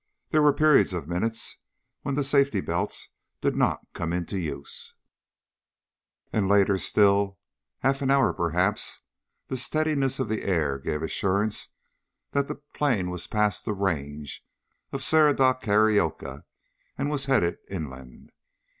There were periods of minutes when the safety belts did not come into use. And later still, half an hour perhaps, the steadiness of the air gave assurance that the plane was past the range of the Serra da Carioca and was headed inland.